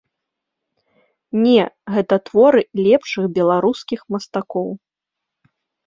Не, гэта творы лепшых беларускіх мастакоў.